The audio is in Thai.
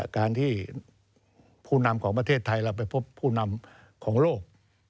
การที่ผู้นำของประเทศไทยเราไปพบผู้นำของโลก